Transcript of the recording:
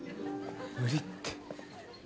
無理って。